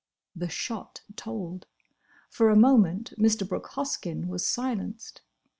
—" The shot told. For a moment Mr. Brooke Hoskyn was silenced.